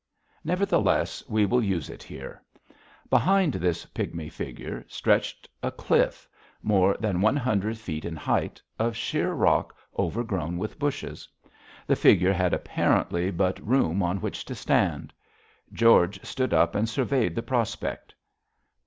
Nevertheless, we will use it here. Behind this pigmy figure stretched a cliff, more than one hundred feet in height, of sheer rock overgrown with bushes. The figure had apparently but room on which to stand. George stood up and surveyed the prospect.